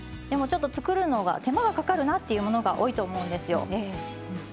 でもちょっと作るのが手間がかかるなっていうものが多いと思うんですよ。